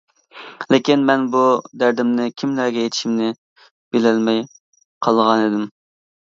لېكىن مەن بۇ دەردىمنى كىملەرگە ئېيتىشىمنى بىلەلمەي قالغانىدىم.